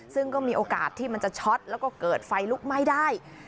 ซึ่งก็มีโอกาสที่มันจะช็อตแล้วก็เกิดไฟลุกไหม้ได้